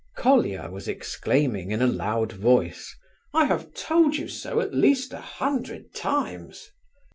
Colia was exclaiming in a loud voice. "I have told you so at least a hundred times."